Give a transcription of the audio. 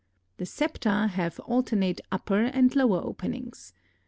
The septa have alternate upper and lower openings.